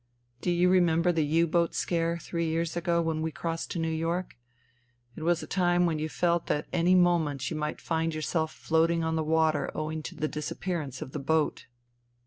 " Do you remember the U boat scare three years ago when we crossed to New York? It was a time when you felt that at any moment you might find yourself floating on the water owing to the disappearance of the boat."